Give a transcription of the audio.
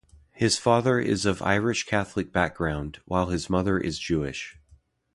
His father is of Irish Catholic background, while his mother is Jewish.